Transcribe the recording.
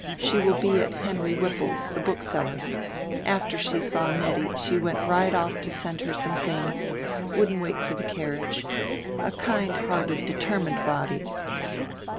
She will be at Henry Whipple's, the bookseller. After she saw Nettie she went right off to send her some things; wouldn't wait for the carriage. A kind hearted determined body."